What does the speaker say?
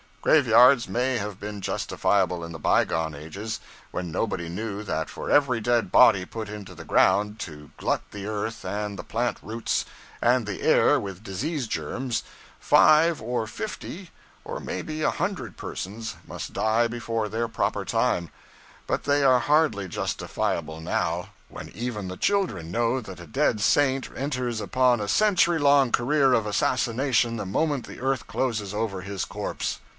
Graveyards may have been justifiable in the bygone ages, when nobody knew that for every dead body put into the ground, to glut the earth and the plant roots, and the air with disease germs, five or fifty, or maybe a hundred persons must die before their proper time; but they are hardly justifiable now, when even the children know that a dead saint enters upon a century long career of assassination the moment the earth closes over his corpse.